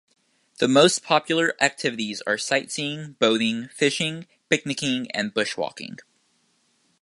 The most popular activities are sightseeing, boating, fishing, picnicking and bushwalking.